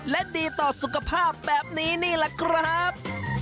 และดีต่อสุขภาพแบบนี้นี่แหละครับ